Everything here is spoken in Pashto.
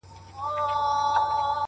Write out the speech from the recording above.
• څوك به ګوري پر رحمان باندي فالونه,